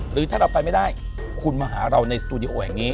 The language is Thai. หรือถ้าเราไปไม่ได้คุณมาหาเราในสตูดิโอแห่งนี้